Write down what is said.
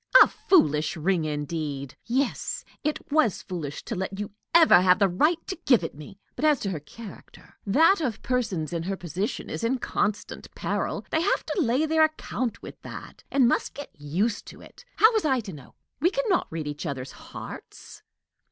"A foolish ring, indeed! Yes, it was foolish to let you ever have the right to give it me! But, as to her character, that of persons in her position is in constant peril. They have to lay their account with that, and must get used to it. How was I to know? We can not read each other's hearts."